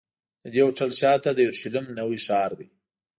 د دې هوټل شاته د یورشلېم نوی ښار دی.